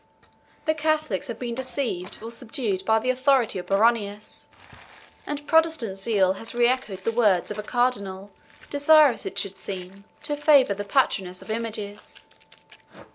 The Catholics have been deceived or subdued by the authority of Baronius; and Protestant zeal has reechoed the words of a cardinal, desirous, as it should seem, to favor the patroness of images.